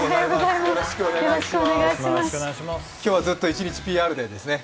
今日はずっと一日ＰＲデーですね。